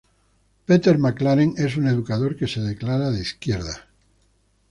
Peter McLaren, es un educador que se declara de izquierda.